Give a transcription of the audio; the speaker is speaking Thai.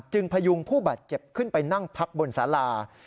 พยุงผู้บาดเจ็บขึ้นไปนั่งพักบนสารา